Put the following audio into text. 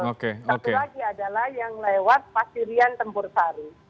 satu lagi adalah yang lewat pasirian tempur sari